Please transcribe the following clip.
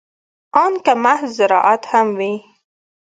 ان که محض زراعت هم وي.